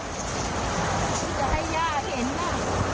ที่จะให้ย่าเห็นนะ